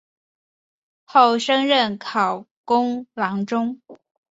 后升任考功郎中。